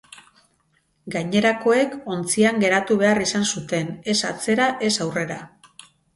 Gainerakoek ontzian geratu behar izan zuten, ez atzera ez aurrera.